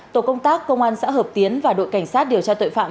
tổ công tác công an xã hợp tiến và đội cảnh sát điều tra tội phạm